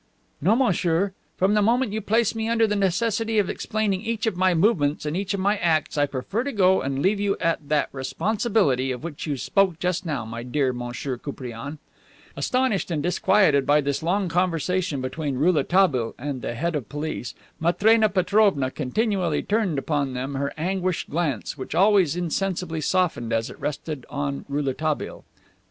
"No, monsieur. From the moment you place me under the necessity of explaining each of my movements and each of my acts, I prefer to go and leave to you that 'responsibility' of which you spoke just now, my dear Monsieur Koupriane." Astonished and disquieted by this long conversation between Rouletabille and the Head of Police, Matrena Petrovna continually turned upon them her anguished glance, which always insensibly softened as it rested on Rouletabille.